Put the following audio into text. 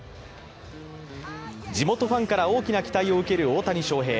地元ファンから大きな期待を受ける大谷翔平。